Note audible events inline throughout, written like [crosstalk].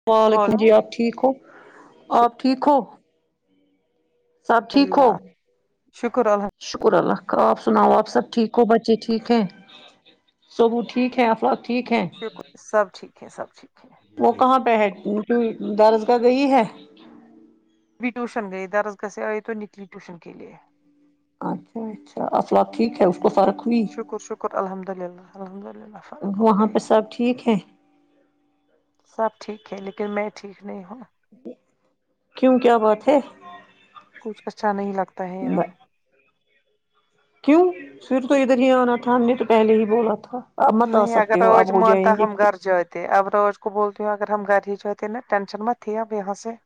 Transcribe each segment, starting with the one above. اللام وعلیکم جی بولو آپ ٹھیک ہو آپ ٹھیک ہو سب شکر ٹھیک ہو اللہ شکر الحم شکر اللہ آپ سناؤ آپ سب ٹھیک ہو بچے ٹھیک ہے- سبو ٹھیک ہے ا- شکر سب ٹھیک ہے, سب ٹھیک ہے- وہ کہاں پہ ہے کی درسگاہ گئی ہے- بھی ٹیوشن گئی درس گس آئی تو نکلی ٹیوشن کے لیے- اچھا- اچھا اسلاق ٹھیک ہے اس کو فر- شکر- شکر الحمد للہ الحمد للہ فرق ہو وہاں پہ گئی- سب ٹھیک ہے سب ٹھیک ہے لیکن میں ٹھیک نہیں ہوں- کیوں کیا بات ہے? کچھ اچھا نہیں لگتا ہے یہاں- کیوں پھر تو ادھر ہی آنا تھا ہم نے تو پہلے ہی بولا تھا- آپ مت آ نہیں اگر سکتے ہو آپ راچ ہو جائیں مانتا ہم گے ہم گھر جاتد- اب روج کو بولتی ہوں اگر ہم گھر ہی چتےے نا ٹینشن م تھی اب یہاں سے-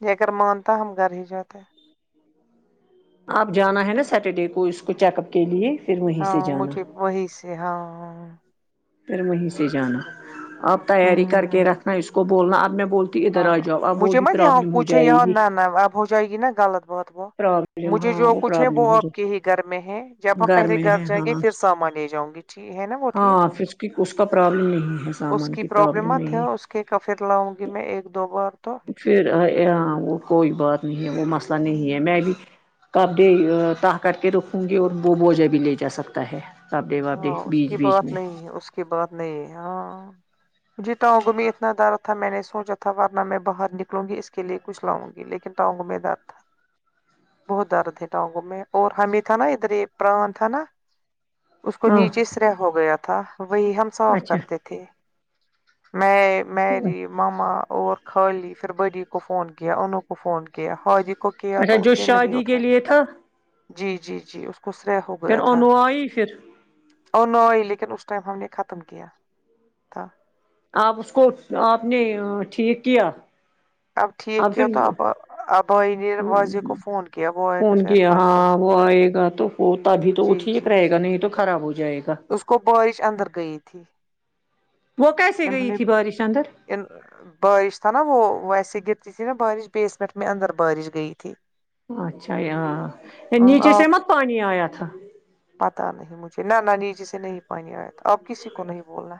ج اگر مانتا ہم گھر ہی جات ہیں- آپ جانا ہے نا سیٹرڈے کو اس کو چیک اپ کے لیے- پھر وہیں سے ہاں جانا مجھے وہی سے ہاں- تو مش سے جانا اب تیاری کر ہمم کے رکھنا اس کو بولنا اب میں بولتی ہ ادھر آ ہاں جاؤ اب وہ مجھے بھی مت یہاں پرابلم ہو جائے- کچھ یہاں ن گی نہ ن اب ہو جائے گی نا غلط بات- وہ پرابلم مجھے ہاں جو کچھ ہے وہ پرابلم ہو آپ کے جائے ہی گھر میں ہے جب ہم پہلے میں گھر ہے جائیں گے ہاں پھر سامان لے جاؤں گی- ج ہے نا وہ ٹھیک- کہ اس کا پرابلم نہیں ہے اس سامان کی پرابلم مت ہے نہیں- اس کے کا پھر لاؤں گی میں ایک دو بار تو- پھر ہ وہ کوئی بات نہیں ہے وہ مسئلہ نہیں ہے میں بھی- کاپے تاہ کر کے رکوں گی اور وہ موجہ بھی لے جا سکتا ہے- رپ دے واب دے ہاں اس بیچ کی بیچ بات میں- نہیں ہے اس کی بات نہیں ہے ہاں- مجھے ٹؤگوں میں اتنا درد تھا میں نے سوچا تھا ورنہ میں باہر نکلوں گی اس کےے کچ لاؤں گی لیکن- کتگم دار تھا- بہت درد ہے ٹانگوں میں اور ہمیں تھا نا ادھر یہ پران تھا نا- اس کو ہاں نیچے سر ہو گیا تھا وہی ہم صاف اچھا کرتے تھے- میں میری- ماما اور خالی پھر بڑی کو فون کیا انو کو فون کیا حجی- اچھا جو شادی کے لیے تھا- جی- جی -جی- کو سرح پھر اننو آئی پھر- او نئی لیکن اس ٹائم ہم نے ختم کیا تھا- آپ اس کو آپ نے ٹھیک کیا- اب ٹھیک آپ پھر کیا تو اب ابائی نے واضح کو فون کیا وہ آئے کا فون شاید کیا پرسوں- ہاں وہ آئے گا تو ہو تبھی تو وہ جی ٹھیک جی رہے جی گا نہیں تو خراب ہو جائے گا- اس کو بوئش اندر گئی تھی- وہ کیسے انہوں گئی نے تھی بارش اندر? ان بارش تھا نا وہ ویسے گرتی تھی نا بارش بیسمنٹ میں اندر بارش گئی تھی- اچھا یہاں نیچے آپ سے نہ پانی آیا تھا- پتا نہیں مجھے نہ نہ ن نیچے سے نہیں پانی آیا آپ کسی کو نہیں بولنا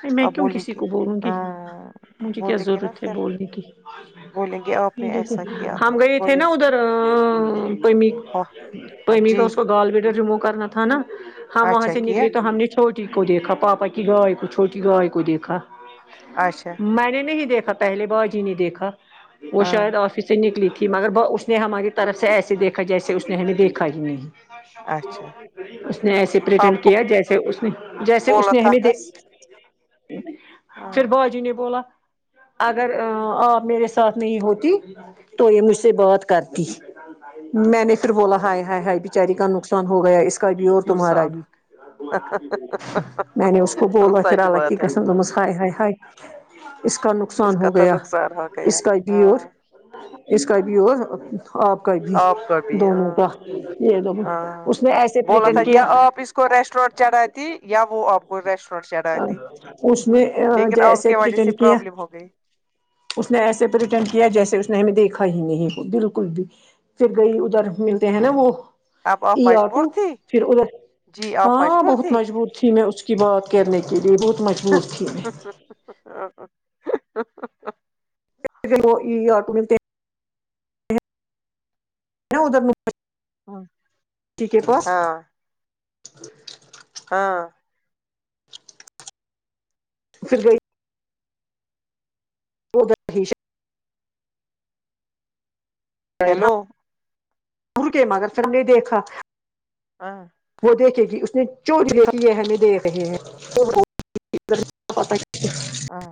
پھر میں آپ کیوں بولیں کسی کو بولوں گی ہاں مجھے کیا بولیں گے نا ضرورت تھی پھر بولنے کی بولیں گے آپ نے جی جی ایسا کیا تو ہم گئے تھے بولیں نا گے ادھر پیم ہاں پمی کا جی اس کو گال بییٹر ریمو کرنا تھا نا ہم وہاں اچھا سے کیا نکلے تو ہم نے چھوٹی کو دیکھا پاپا کی گائے کو چھوٹی گائے کو دیکھا اچھا میں نے نہیں دیکھا پہلے با جی نے دیکھا وہ ہاں شاید آفس سے نکلی تھی کی مگر اس نے ہماری طرف سے ایسے دیکھا جیسے اس نے ہمیں دیکھا ہی نہیں اچھا اس نے ایسے پریٹیند آپ کو کیا جیسے نے جیسے اس بولا نے تھا ہمی دیکھا ہے دس نہی ہاں پھر با جی نے بولا اگر آپ میرے ساتھ نہیں ہوتی تو یہ مجھ سے بات کرتی میں نے پھر بولا ہائے ہائے ہائے بچاری کا نقصان ہو گیا اس کبھی اور تمہارا نقصان بھی میں نے اس کو بوولو پھر سچ الگ بات ہے دمس ہائے ہائے ہائے اس کا اس نقصان کا ہو تو گیا نقصان ہو گیا اس کا بیور ہاں اس کا بیور آپ کا بھی آپ کا بھی دونوں کا ہاں یہ دونوں ہاں اس نے ایسے بولا تھا پٹن کیا یا آپ اس کو ریسٹورینٹ چڑھاتی یا وہ آپ کو ریسٹورینٹ چڑھاتی اس نے لیکن اب جیسے کی وجہ پریٹن سے کیا پرابلم ہو گئی اس نے ایسے پریٹند کیا جیسے اس نے ہمیں دیکھا ہی نہیں بالکل بھی پھر گئی ادھر ملتے ہیں نا وہ اب آپ ای آٹو مجبور تھی پھر ادھر جی آپ ہاں مجبور بہت تھی مجبوط تھی میں اس کی کی بات کرنے کے لیے بہت مجبور تھی میں وہ یہ آٹو ملتے ہیں ن ادھر ن ہاں ہاں ہاں سھر [unintelligible] اد ہی [unintelligible] ہیلو گول کے م اگر پ ہم نے دیکھا ہاں وہ دیکھے گی اس نے چوج دیک ہے ہمیں دیکھ رہے ہیں پت ہاں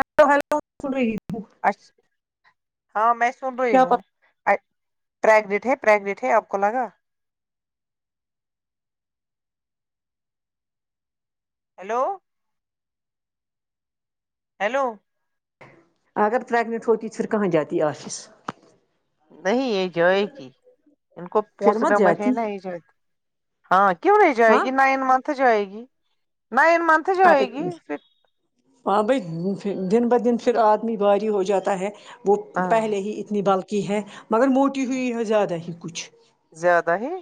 ہیلو ہیلو سن رہی اچ ہاں میں سن رہی کیا ہوں پتا پرگنٹ ہے پرریگنٹ ہے آپ کو لگا ہیلو ہیلو اگر پریگننٹ ہوتیی پھر کہ جاتی آفس نہیں ایج ہے کی ہی ان کو پھر پوچ مت ڈمبر ہے جاتی نا ایج ہاں کیوں نہیں جائے ہاں گی نائن منت جائے گی نائن منتھ ا جائے گی پھر ہاں بھائی دن بدن پھر آدمی بھاری ہو جاتا ہے وہ ہاں پہلے ہی اتنی بلکی ہے مگر موٹی ہوئی ہے زیادہ ہی کچھ زیادہ ہے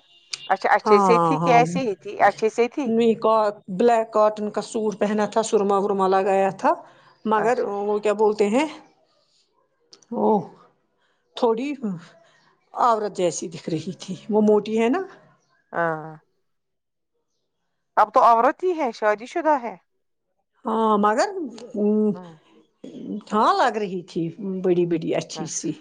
اچھا اچھے سے تھی ہاں کہ ہاں ایسے ہی تھی اچھے سے تھی م کو بلیک کااٹن کا سوٹ پہنا تھا سرما ورما لگایا تھا مگر اچھا کیا بولتے ہیں ا تھوڑی آورت جیسی دکھ رہی تھی وہ موٹی ہے نا ہاں اب تو عورت ہی ہے شادی شدہ ہے ہاں مگر ہوں، ہاں لگ رہہی تھی بڑی بڑی اچھی سی اچھا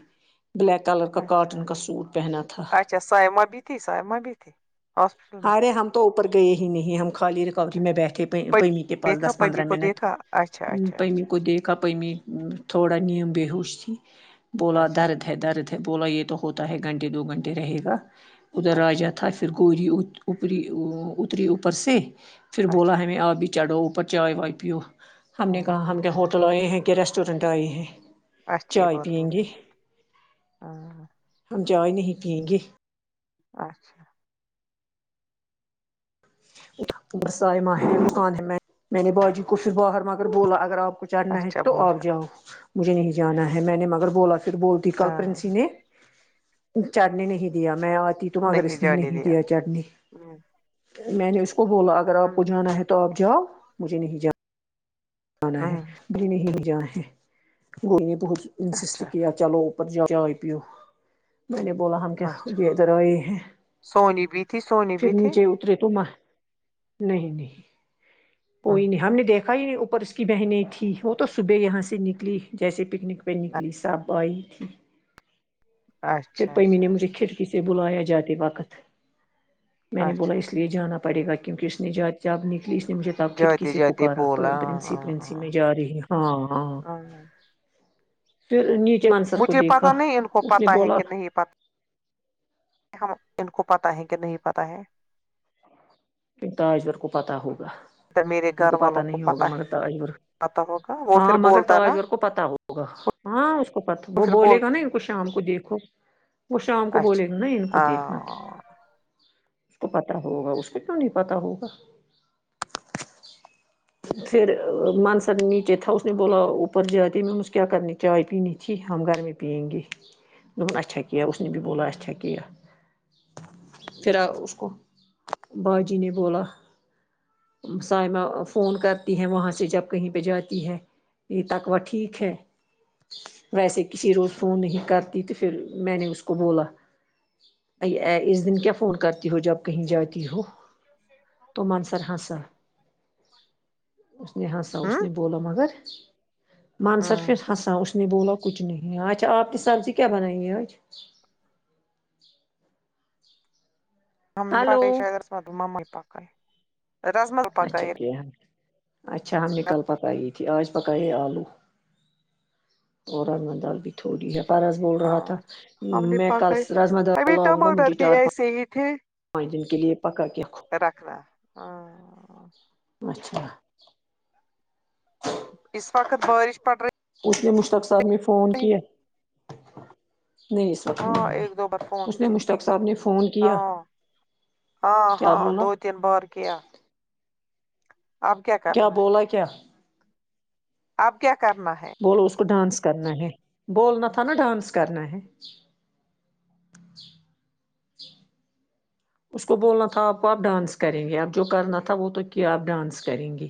بلیک کلر کا اچھا کاٹن کا سوٹ پہنا تھا اچھا سائمہ بھی تھی سیمہ بھی تھی ہاسپٹل میں ارے ہم تو اوپر گئے ہی نہیں ہم خالی ریکوری میں بیٹھے پیمی کے پاس دیکھا دس پندرہ پمی کو منٹ دیکھا اچھا اچھا اچھا اچھا کپمی تھوڑا نیب ب ہووش ت بولا اچھا درد درد ہے بولا یہ تو ہوتا ہے گھنٹے دو گھنٹے رہے گا ادھر را اچھا تھا پھر گوری ا اوپری اتری اوپر سے پھر بولا اچھا ہمیں آب بھی چڑھو اوپر چائے وائے پیو ہم نے ہاں کہا ہم کیا ہوٹل آئے ہیں کیا ریسٹورینٹ آئے ہیں اچھی چائے بات پیئیں گی بولی ہاں ہم چائے نہیں پیئیں گی اچھا ر سائم ہےکان ہے میں نے باجی کوچھ باہر مگر بولا اگر آپ کچھ چنا ہے اچھا تو بول آپ جاؤ مجھے نہیں جانا ہے میں نے مگر بولا پھر بولتی کل ہاں پرنسی نے چڑھنے نہیں دیا میں آتی تو مگر اس نے نہیں دیا چٹنی ہوں میں نے اس کو بولا اگر آپ ہوں، کو جانا ہے تو آپ جاؤ مجھے نہیں جا جا ہے ہوں، بری نہیں جان ہے گوئی نے بہت انسسٹ اچھا کیا چلو ا چائے پیو میں نے بولا ہم کیا اچھا یہ ادھر آئے ہیں سونی بھی تھی سونی پھر بھی تھی نیچے اترے تو م نہیں نہیں ہوں، کوئی نہیں ہم نے دیکھا ہی نہیں اوپر سے کی بہنیں تھیں وہ تو صبح یہاں سے نکلی جیسے پکنک پہ نکلی صب آئی تھی اچھا پھر پیمی اچھا نے مجھے اچھا کھڑکی سے بلایا جاتے وقت میں نے بلا اچھا اس لیے جانا پڑ پڑےا کیکہ اس نے جب نکلی اس نے مجھے تب جاتے کھڑکی جاتے پکارا بولا ہاں پرنسپل ہاں ہاں میں جا رہی ہاں ہاں تو نیچ م مجھے پتا نہیں ان کو پتا ہے کہ نہیں پتا ہم ان کو پتا ہے کہ نہیں پتا ہے تاجور کو پتا ہوگا ان کو پتا نہیں ہوگا مگر تاجور ات ہو کاا ہاں مگر تاجور کو پتا ہوگا ہاں اس کو پتا وہ پھر بولے بول گا نا ان کو شام کو دے دیکو وہ شام کو بولے گا نا ان اچھا کو دیکھنا ہاں اس کو پتا ہوگا اس کو کیوں نہیں پتا ہوگا پھر منسر نیچے تھاا اس نے بوللا اوپر جائے تے ممس کیا کرنے چائے پینی تھی ہم گرمی پ پئین گی دن اچھا کیا اس نے بھی بوللا اچھا کیا پھر اس کو باجی نے بولا سائمہ فون کرتی ہے وہاں سے جب کہیں پہ جاتی ہے یہ تکو ٹھیک ہے ویسے کسی روز فون نہیں کرتی تو پھر میں نے اس کو بولا اس دن کیا فون کرتی ہو جب کہیں جاتی ہو تو مانسر ہس اس نے ہسا اس ہ نے بولا مگر مانسر پھر ہنسا اس نے بولا کچھ نہیں اچھا آپ کی سبزی کیا بنائی ہے آج ہاں مجے ہلو پقای شاید ر اسم ممل پکا ہے اچھا کیا اچھا ہم نے کل پکائی تھی آج پکائی آلو اور مڈال بھی [unintelligible] تھوڑی ہے فارض بول رہا ہاں تھا ہم نے میں کل پکائی راجما دال ہمیں لاؤں گا مجھے ٹماٹر بھی چار پانچ ایسے ہی تھے پان دن کے لیے پکا کے رکھنا ہاں اچھا اس وقت بارش پڑ رہی اس نے مشتاق صاحب نے فون نہیں کیا نہیں اس وقت ہاں نہیں ایک دو بار ہے فون اس نے کیا مشتاق صاحب نے فون کیا ہاں ہاں کیا ہاں بولا دو تین بار کیا اب کیا کرنا ہے بولا ا کیا کیا اب کیا کرنا ہے بولو اس کو ڈانس کرنا ہے بولنا تھا نا ڈانس کرنا ہے اچا [unintelligible] ہے اس کو بولنا تھا آپ کو آپ ڈانس کریں گے اب جو کرنا تھا وہ تو کیا آپ ڈانس کریں گی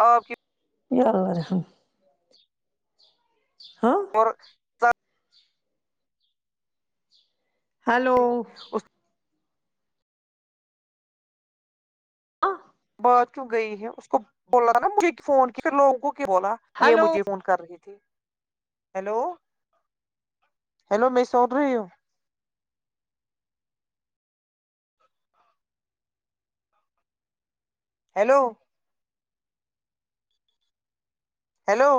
اور ار ہ ہاں اور ہلو اس آ نے بات کیوں گئی ہے اس کو بولا تھا نا مجھے فون کیا پھر لوگوں کو کیا بولا یہ ہیلو مجھے فون کر رہی تھی ہیلو ہیلو میں سن رہی ہوں ہیلو ہیلو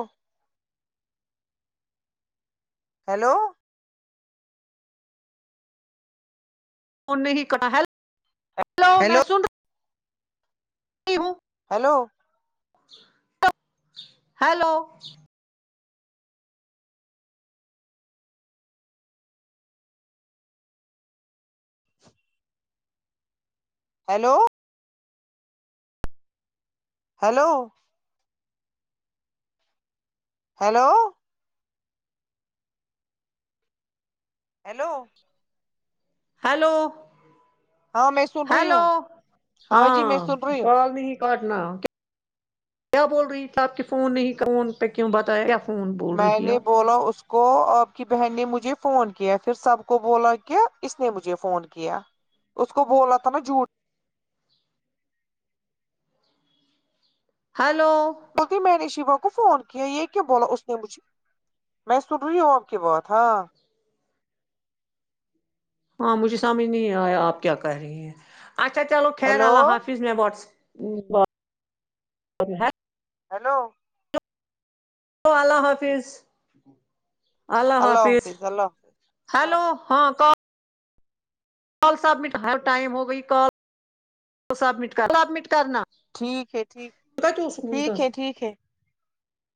ہیلو فون کرالو ہیلو میں ہیلو سن رہا ج ہوو hello hello hello hello hello hello hello ہاں میں سن رہی ہیلو ہوں جی میں ہاں سن رہی [inaudible] ہوں کاٹنا کیا بول رہی آپ کی فون نہیں کوون پہ کیوں بتایا ایف میں نے بولا اس کو کو آپ کی بہن نے مجھے فون کیا پھر سب کو بولا کہ اس نے مجھے فون کیا اس کو بولا تھا نا جھوٹ ہلو [inaudible] بولتی میں نے شیوا کو فون کیا یہ کی بولا اس نے مجھے میں سن رہی ہوں آپ کی بات ہاں ہاں مجھے سمجھ نہیں آیا آپ کیا کرہ رہی ہیں اچھا چلو خیر ہیلو اللہ حافظ پز میں واٹس ب [unintelligible] ہیلو ہیلو اللہ حافظ اللہ حافظ اللہ حافظ اللہ ہلو حافظ [unintelligible] ہاں ک [unintelligible] کال سبمٹ ہ ٹائم ہو گئی کال سبمٹ کر سبمٹ کرنا ٹھیک ہے ٹھیک ٹھیک ہے ٹھیک ہے